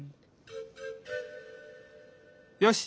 よし！